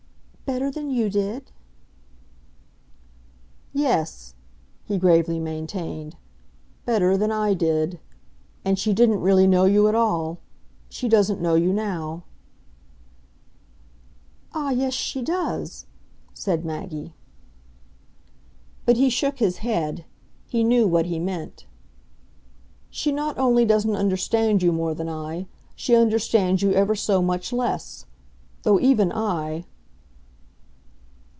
"Better than you did?" "Yes," he gravely maintained, "better than I did. And she didn't really know you at all. She doesn't know you now." "Ah, yes she does!" said Maggie. But he shook his head he knew what he meant. "She not only doesn't understand you more than I, she understands you ever so much less. Though even I